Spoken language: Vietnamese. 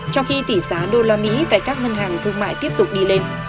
trong khi tỷ giá đô la mỹ tại các ngân hàng thương mại tiếp tục đi lên